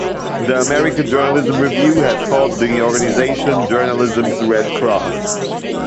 The "American Journalism Review" has called the organization "Journalism's Red Cross".